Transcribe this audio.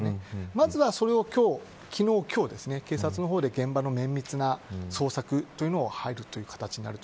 まずは、それを今日、昨日警察の方で現場の綿密な捜索というのが入るという形です。